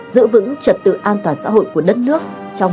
giữ vững trật tự an toàn xã hội của đất nước trong mọi tình huống